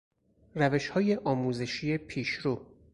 روشهای آموزشی پیشرو